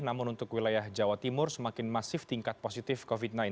namun untuk wilayah jawa timur semakin masif tingkat positif covid sembilan belas